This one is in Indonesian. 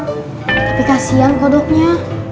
tapi kasihan kok doknya